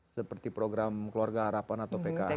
seperti program keluarga harapan atau pkh